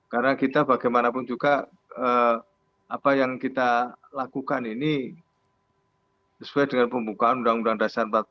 karena kita bagaimanapun juga apa yang kita lakukan ini sesuai dengan pembukaan undang undang dasar empat